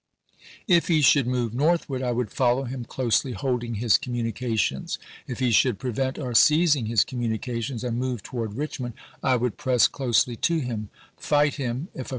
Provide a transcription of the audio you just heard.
If he should move northward I would foUow him closely, holding his communications. If he should pre vent our seizing his communications and move toward THE EEMOVAL OF MCCLELLAN 183 Richmond, I would press closely to him ; fight him, if a chap.